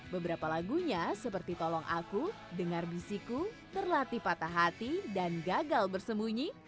beberapa lagunya seperti tolong aku dengar bisiku terlatih patah hati dan gagal bersembunyi